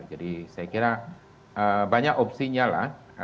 jadi saya kira banyak opsinya lah